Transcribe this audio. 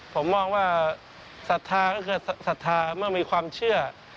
ผมมองว่าศรัทธาก็คือศรัทธาเมื่อมีความเชื่อ